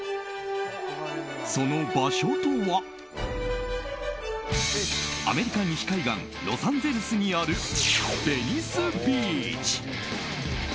その場所とはアメリカ西海岸ロサンゼルスにあるベニスビーチ。